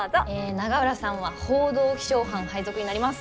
永浦さんは報道気象班配属になります。